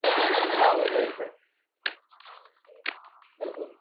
Se dice que presenta quiralidad.